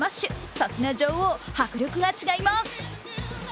さすが女王、迫力が違います。